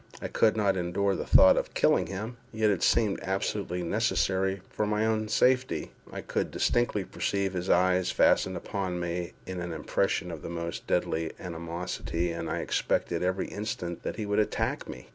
I could not endure the thought of killing him, yet it seemed absolutely necessary for my own safety. I could distinctly perceive his eyes fastened upon me with an expression of the most deadly animosity, and I expected every instant that he would attack me.